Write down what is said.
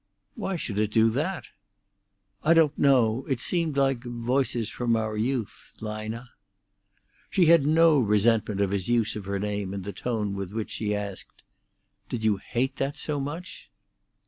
"Why should it do that?" "I don't know. It seemed like voices from our youth—Lina." She had no resentment of his use of her name in the tone with which she asked: "Did you hate that so much?"